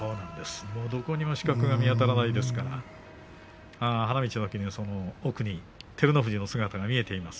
どこにも死角。が見当たりませんから花道の奥に照ノ富士の姿が見えています。